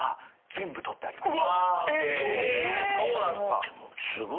全部取ってあります。